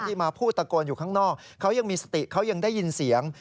มาพูดตะโกนอยู่ข้างนอกเขายังมีสติเขายังได้ยินเสียง